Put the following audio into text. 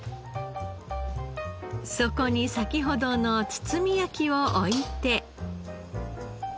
そこに先ほどの包み焼きを置いて。